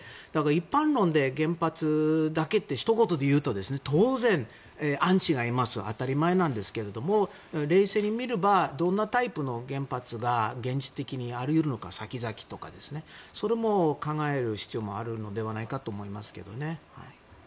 だから一般論で原発だけってひと言で言うと当然、アンチがいます当たり前なんですけど冷静に見ればどんなタイプの原発が現実的にあり得るのか先々とかですねそれも考える必要があるのではないかと思いますけどね。